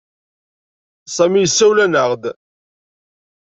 Sami yessawel-aneɣ-d.